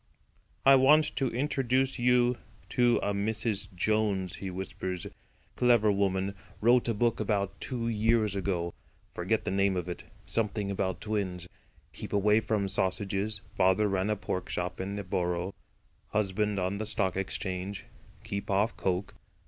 "I want to introduce you to a Mrs. Jones," he whispers. "Clever woman. Wrote a book two years ago. Forget the name of it. Something about twins. Keep away from sausages. Father ran a pork shop in the Borough. Husband on the Stock Exchange. Keep off coke.